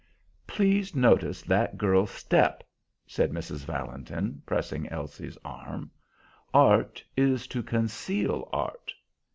"Please notice that girl's step," said Mrs. Valentin, pressing Elsie's arm. "'Art is to conceal art.'